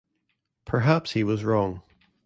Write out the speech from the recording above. Perhaps he was wrong.